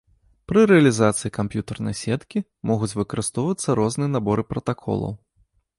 Пры рэалізацыі камп'ютарнай сеткі, могуць выкарыстоўвацца розныя наборы пратаколаў.